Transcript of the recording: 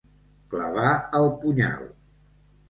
Clavar el punyal.